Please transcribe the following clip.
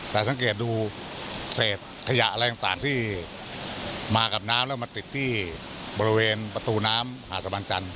แต่สังเกตดูเศษขยะอะไรต่างที่มากับน้ำแล้วมาติดที่บริเวณประตูน้ำหาดตะวันจันท